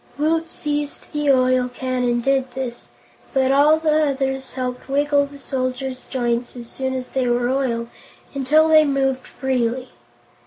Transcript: Woot seized the oil can and did this, but all the others helped wiggle the soldier's joints as soon as they were oiled, until they moved freely.